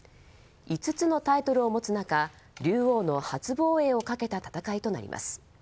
５つのタイトルを持つ中竜王の初防衛をかけた戦いとなります。